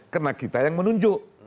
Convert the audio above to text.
karena kita yang menunjuk